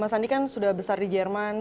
mas andi kan sudah besar di jerman